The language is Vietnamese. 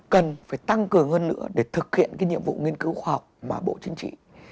cần phải tăng cường hơn nữa để thực hiện cái nhiệm vụ nghiên cứu khoa học mà bộ chính trị